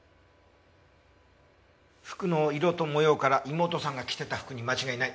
服の色と模様から妹さんが着てた服に間違いない。